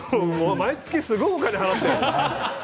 毎月すごいお金を払っているの。